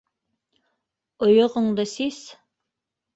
- Ойоғоңдо сис...